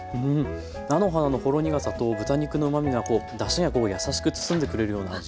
菜の花のほろ苦さと豚肉のうまみがだしがこう優しく包んでくれるような味。